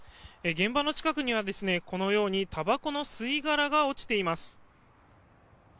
現場の近くにはこのようにたばこの吸い殻が落ちています。